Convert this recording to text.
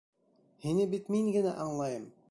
Һине бит мин генә аңлайым!